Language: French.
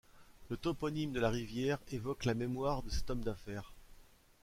Le toponyme de la rivière évoque la mémoire de cet homme d'affaires.